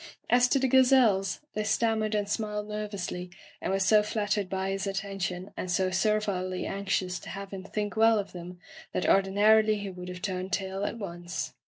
As to the gazelles, they stanmiered and smiled nervously, and were so flattered by his attention and so servilely anxious to have him think well of them that ordinarily he would have turned tail at once.